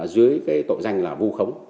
dưới cái tội danh là vô khống